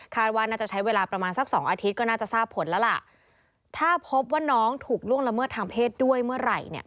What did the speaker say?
ว่าน่าจะใช้เวลาประมาณสักสองอาทิตย์ก็น่าจะทราบผลแล้วล่ะถ้าพบว่าน้องถูกล่วงละเมิดทางเพศด้วยเมื่อไหร่เนี่ย